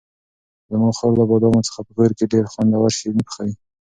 زما خور له بادامو څخه په کور کې ډېر خوندور شیریني پخوي.